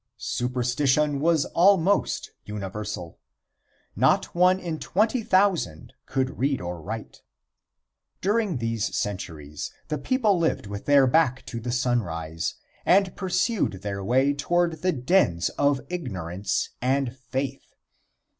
Superstition was almost universal. Not one in twenty thousand could read or write. During these centuries the people lived with their back to the sunrise, and pursued their way toward the dens of ignorance and faith.